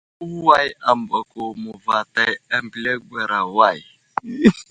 Əway ambako məvətay ambiliŋgwera way ?